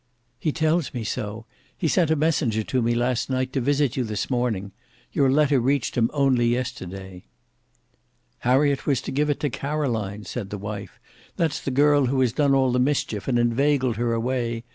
"He tells me so: he sent a messenger to me last night to visit you this morning. Your letter reached him only yesterday." "Harriet was to give it to Caroline," said the wife. "That's the girl who has done all the mischief and inveigled her away.